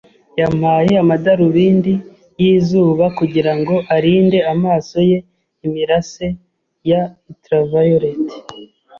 Yambaye amadarubindi yizuba kugirango arinde amaso ye imirase ya ultraviolet.